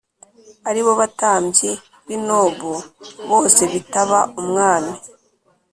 ari bo batambyi b’i Nobu, bose bitaba umwami.